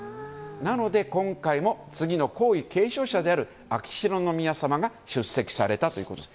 なので今回も皇位継承者である秋篠宮さまが出席されたということです。